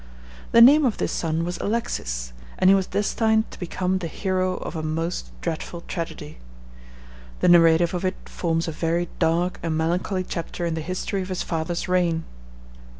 The name of this son was Alexis, and he was destined to become the hero of a most dreadful tragedy. The narrative of it forms a very dark and melancholy chapter in the history of his father's reign.